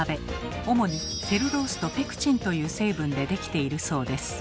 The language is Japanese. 主に「セルロース」と「ペクチン」という成分で出来ているそうです。